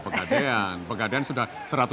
pegadaian pegadaian sudah